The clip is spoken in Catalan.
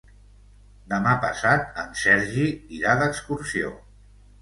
Demà passat en Sergi irà d'excursió.